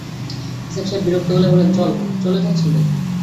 ইসহাক সাহেব বিরক্ত গলায় বললেন, চলে যাচ্ছেন নাকি?